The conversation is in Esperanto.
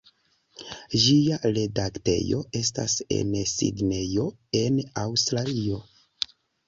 Ĝia redaktejo estas en Sidnejo, en Aŭstralio.